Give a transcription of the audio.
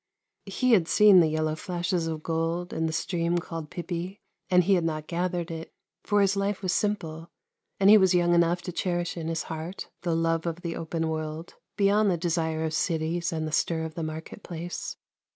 He had seen the yellow flashes of gold in the stream called Pipi, and he had not gathered it, for his lite was simple, and he was young enough to cherish in his heart the love of the open world, beyond the desire of cities and the stir of the market place.